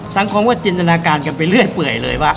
สังคมก็จินตนาการกันไปเรื่อยเปื่อยเลยว่า